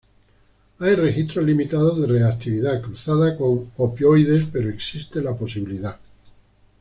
Hay registros limitados de reactividad cruzada con opioides, pero existe la posibilidad.